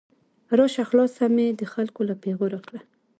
راشه خلاصه مې د خلګو له پیغور کړه